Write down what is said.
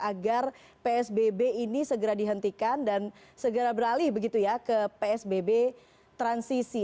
agar psbb ini segera dihentikan dan segera beralih begitu ya ke psbb transisi